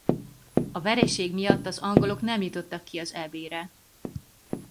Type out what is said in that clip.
A vereség miatt az angolok nem jutottak ki az Eb-re.